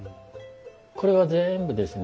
これは全部ですね